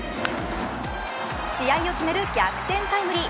試合を決める逆転タイムリー。